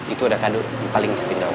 itu adalah kandung paling istimewa